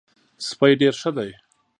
سپی ډېر ښه دی.